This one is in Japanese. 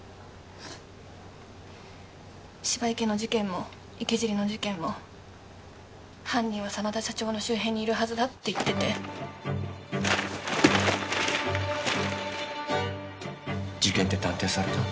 芝池の事件も池尻の事件も犯人は真田社長の周辺にいるはずだって言ってて事件って断定された？